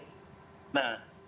ini sejalan dengan